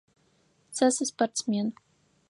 Сэ сыспортсмен.